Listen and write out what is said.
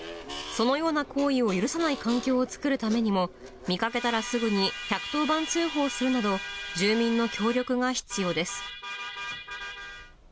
そのような行為を許さない環境を作るためにも、見かけたらすぐに１１０番通報するなど、住民の協力が必要です。